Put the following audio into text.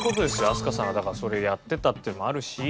飛鳥さんがそれやってたっていうのもあるし。